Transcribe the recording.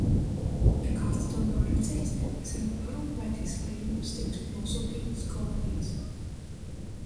Ja kāds to nav redzējis, mēs varam parūpēties, lai jums tiktu nosūtītas kopijas.